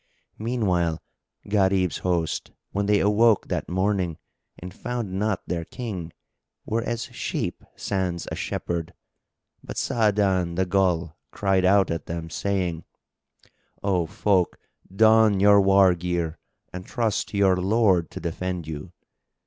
Meanwhile Gharib's host, when they awoke that morning and found not their King, were as sheep sans a shepherd; but Sa'adan the Ghul cried out at them, saying, "O folk, don your war gear and trust to your Lord to defend you!"